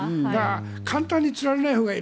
簡単に釣られないほうがいい。